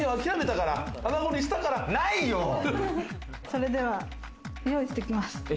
それでは、用意してきます。